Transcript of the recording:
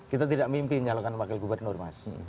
kita tidak mimpi menyalakan wakil gubernur mas